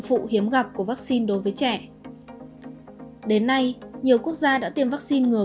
phụ hiếm gặp của vaccine đối với trẻ đến nay nhiều quốc gia đã tiêm vaccine ngừa